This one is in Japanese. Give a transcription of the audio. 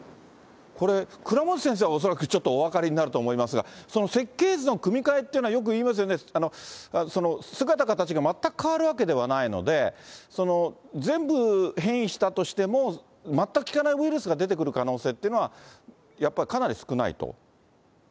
これ、倉持先生は恐らく、ちょっとお分かりになると思いますが、その設計図の組み換えっていうのはよくいいますよね、その姿形が全く変わるわけではないので、全部変異したとしても、全く効かないウイルスが出てくる可能性っていうのは、やっぱりかなり少ないと？